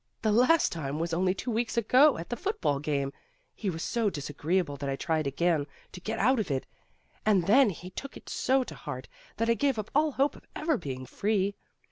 "The last time was only two weeks ago at the foot ball game. He was so disagreeable that I tried again to get out of it, and then he took it so to heart that I gave up all hope of ever being free.